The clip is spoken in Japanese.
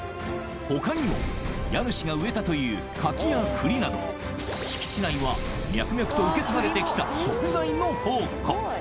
他にも家主が植えたという柿やクリなど敷地内は脈々と受け継がれてきた食材の宝庫